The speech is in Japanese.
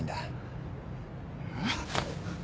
えっ？